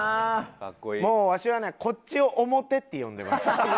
もうわしはねこっちを表って呼んでます。